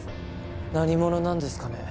何者なんですかね